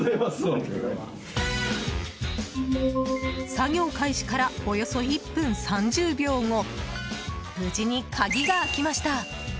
作業開始からおよそ１分３０秒後無事に鍵が開きました。